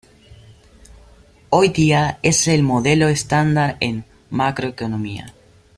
Hoy día es el modelo estándar en macroeconomía.